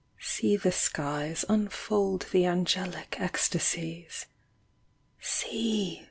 — See the skies Unfold the angelic ecstasies. See